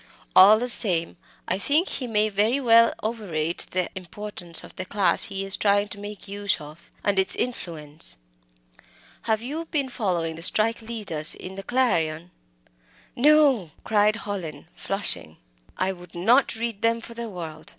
All the same I think he may very well overrate the importance of the class he is trying to make use of, and its influence. Have you been following the strike 'leaders' in the Clarion?" "No!" cried Hallin, flushing. "I would not read them for the world!